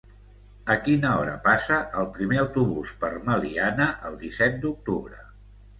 A quina hora passa el primer autobús per Meliana el disset d'octubre?